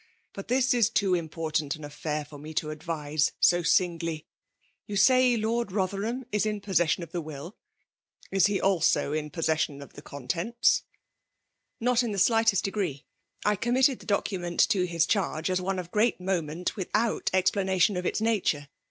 But this is too important an affair for me to advise in singly. You say Lord Bother ham is in possession of the will ? Is he also in ' possession of the contents ?"" Not in the slightest degree. I committed the document to his charge as one of great moment, without explanation of its nature.